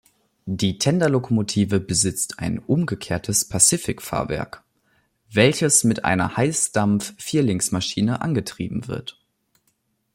Die Tenderlokomotive besitzt ein umgekehrtes Pacific-Fahrwerk, welches mit einer Heissdampf-Vierlingsmaschine angetrieben wird.